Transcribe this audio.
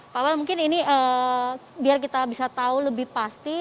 pak wal mungkin ini biar kita bisa tahu lebih pasti